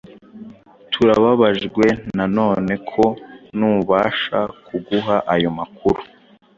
Turababajwe na none ko ntubasha kuguha ayo makuru.